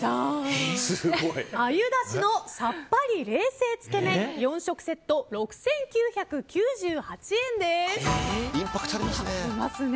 鮎ダシのさっぱり冷製つけ麺４食セット６９９８円です。